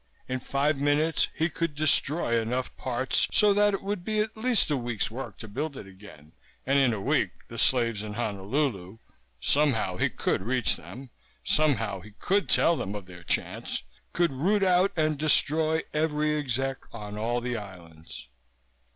In five minutes he could destroy enough parts so that it would be at least a week's work to build it again, and in a week the slaves in Honolulu somehow he could reach them, somehow he would tell them of their chance could root out and destroy every exec on all the islands.